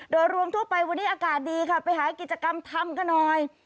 โดยรวมทั่วไปวันนี้อากาศดีค่ะไปหากิจกรรมทำกันหน่อย